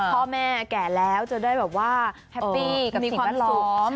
พ่อแม่แก่แล้วจะได้แบบว่าแฮปปี้กับสิ่งแวดล้อม